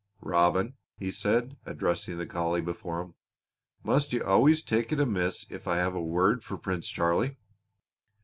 "Robin," he said, addressing the collie before him, "must you always take it amiss if I have a word for Prince Charlie?